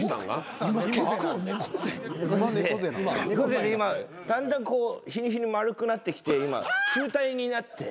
猫背で今だんだんこう日に日に丸くなってきて今球体になって。